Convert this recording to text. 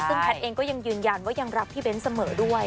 ซึ่งแพทย์เองก็ยังยืนยันว่ายังรักพี่เบ้นเสมอด้วย